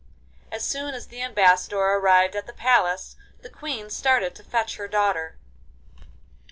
As soon as the ambassador arrived at the palace, the Queen started to fetch her daughter.